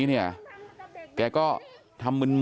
เดี๋ยวให้กลางกินขนม